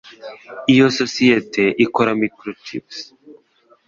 Iyo sosiyete ikora microchips